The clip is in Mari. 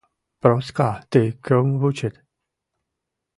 Проска, тый кӧм вучет?